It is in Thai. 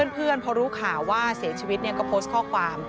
เพื่อนพอรู้ข่าวว่าเสียชีวิตก็โพสต์ข้อความ